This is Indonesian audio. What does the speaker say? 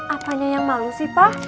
apanya yang malu sih pak